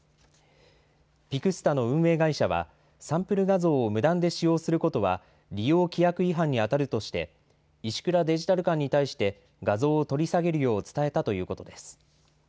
ＰＩＸＴＡの運営会社は、サンプル画像を無断で使用することは利用規約違反に当たるとして、石倉デジタル監に対して画像を取り下げるよう伝えたということです。